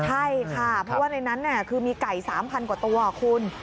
ใช่ค่ะเพราะว่าในนั้นคือมีไก่๓๐๐กว่าตัวคุณ